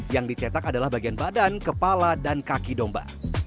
yang dicetak adalah bagian badan kepala dan kaki domba